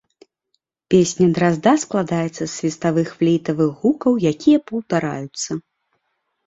Песня дразда складаецца з свіставых флейтавых гукаў, якія паўтараюцца.